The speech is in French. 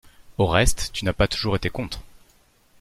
Au reste, tu n'as pas toujours été contre!